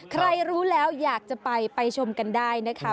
ใครรู้แล้วอยากจะไปไปชมกันได้นะคะ